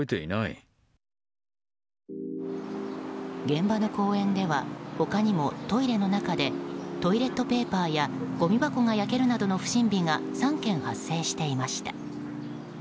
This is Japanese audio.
現場の公園では他にもトイレの中でトイレットペーパーやごみ箱が焼けるなどの不審火が３件発生していました。